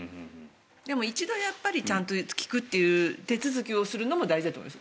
一度ちゃんと聞くという手続きを取るのも大事だと思います。